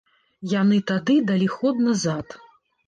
Яны тады далі ход назад.